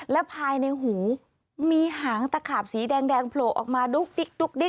และภายในหูมีหางตะขาบสีแดงโผล่ออกมาดุ๊กดิ๊ก